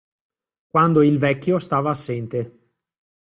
Quando il vecchio stava assente.